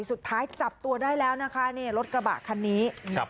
สุดท้ายจับตัวได้แล้วนะคะนี่รถกระบะคันนี้ครับ